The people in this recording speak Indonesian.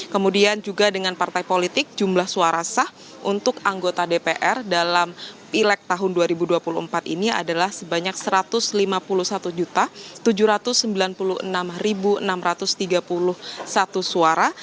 kemudian juga dengan partai politik jumlah suara sah untuk anggota dpr dalam pileg tahun dua ribu dua puluh empat ini adalah sebanyak satu ratus lima puluh satu tujuh ratus sembilan puluh enam enam ratus tiga puluh satu suara